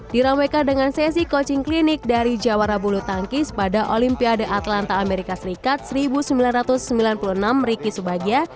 diramaikan dengan sesi coaching klinik dari jawara bulu tangkis pada olimpiade atlanta amerika serikat seribu sembilan ratus sembilan puluh enam riki subagia